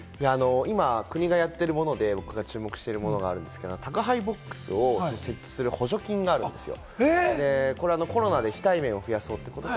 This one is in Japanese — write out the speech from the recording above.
今、国がやっているもので僕が注目しているものがあるんですけれども、宅配ボックスを設置する補助金があるんですよ。